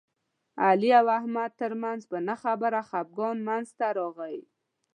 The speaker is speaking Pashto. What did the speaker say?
د علي او احمد ترمنځ په نه خبره خپګان منځ ته راغی.